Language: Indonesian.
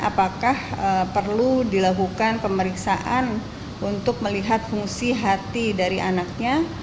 apakah perlu dilakukan pemeriksaan untuk melihat fungsi hati dari anaknya